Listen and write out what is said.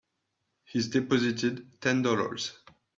He's deposited Ten Dollars.